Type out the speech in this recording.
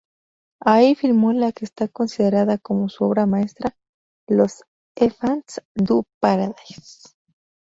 Ahí filmó la que está considerada como su obra maestra "Les Enfants du paradis".